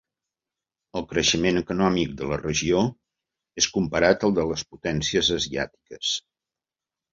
El creixement econòmic de la regió és comparat al de les potències asiàtiques.